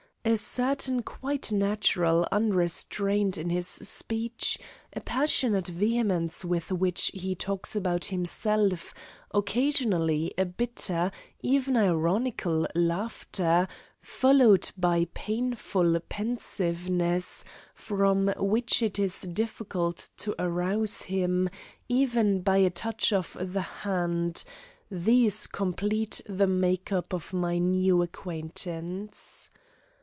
A certain quite natural unrestraint in his speech, a passionate vehemence with which he talks about himself, occasionally a bitter, even ironical laughter, followed by painful pensiveness, from which it is difficult to arouse him even by a touch of the hand these complete the make up of my new acquaintance.